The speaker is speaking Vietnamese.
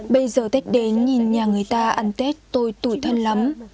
bây giờ tết đến nhìn nhà người ta ăn tết tôi tuổi thân lắm